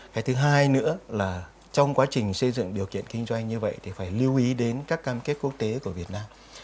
cái thứ hai nữa là trong quá trình xây dựng điều kiện kinh doanh như vậy thì phải lưu ý đến các cam kết quốc tế của việt nam